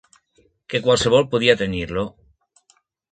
Que qualsevol podia tenir-lo